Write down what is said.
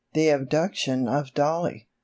THE ABDUCTION OF DOLLIE.